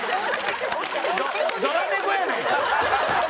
ドラ猫やないかい！